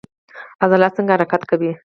عضلات څنګه حرکت کوي؟